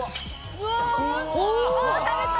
うわあ食べたい！